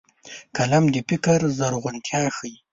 قلم د فکر زرغونتيا ښيي